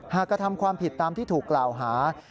กระทำความผิดตามที่ถูกกล่าวหา